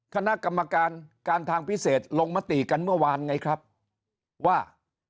คณะกรรมการการทางพิเศษลงมติกันเมื่อวานไงครับว่า